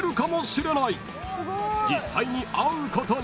［実際に会うことに］